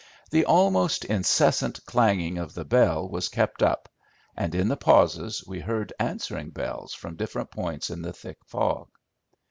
The almost incessant clanging of the bell was kept up, and in the pauses we heard answering bells from different points in the thick fog.